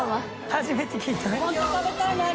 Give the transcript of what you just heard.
初めて聞いた。